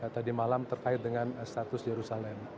tadi malam terkait dengan status jerusalem